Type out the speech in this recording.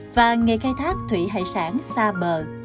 và nghề khai thác thủy hải sản xa bờ